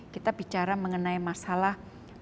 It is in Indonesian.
kita bicara mengenai masalah